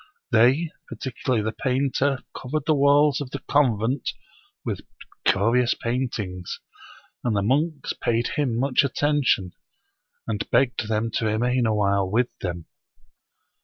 They, particularly the painter, covered the walls of the convent with curious paint ings ; and the monks paid him much attention, and begged them to remain awhile with them.